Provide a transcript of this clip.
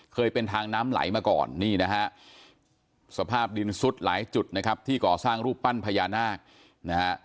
เคยเป็นทางน้ำไหลมาก่อนนี่นะฮะสภาพดินซุดหลายจุดนะครับที่ก่อสร้างรูปปั้นพญานาคนะฮะ